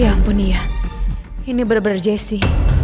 ya ampun iya ini bener bener jessy